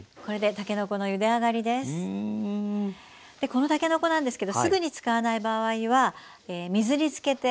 このたけのこなんですけどすぐに使わない場合は水につけて。